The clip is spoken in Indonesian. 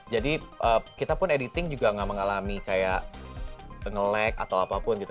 jadi kita pun editing juga gak mengalami kayak nge lag atau apapun gitu